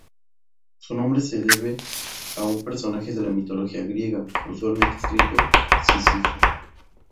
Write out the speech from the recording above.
Su nombre se debe a un personaje de la mitología griega, usualmente escrito "Sísifo".